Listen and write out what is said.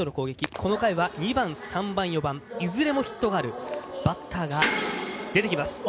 この回は２番３番４番いずれもヒットがあるバッターが出てきます。